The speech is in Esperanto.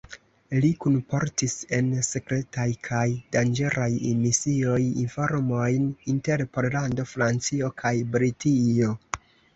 Li kunportis en sekretaj kaj danĝeraj misioj informojn inter Pollando, Francio kaj Britio.